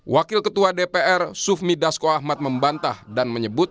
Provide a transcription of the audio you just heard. wakil ketua dpr sufmi dasko ahmad membantah dan menyebut